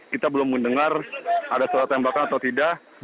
kita belum mendengar ada suara tembakan atau tidak